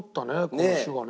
この種がね。